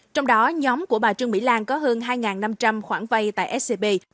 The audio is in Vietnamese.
trong đó nhóm của bà trương mỹ lan có hơn hai năm trăm linh khoản vay tại scb